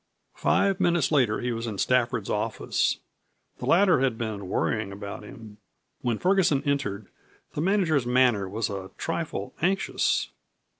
Five minutes later he was in Stafford's office. The latter had been worrying about him. When Ferguson entered the manager's manner was a trifle anxious.